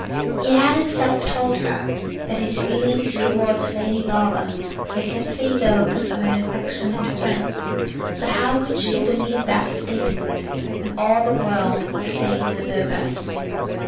He had himself told her that his feelings towards Lady Laura were simply those of an affectionate friend; but how could she believe that statement when all the world were saying the reverse?